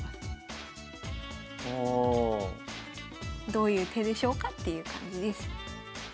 どういう手でしょうかっていう感じです。